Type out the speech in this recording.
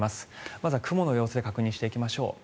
まずは雲の様子を確認していきましょう。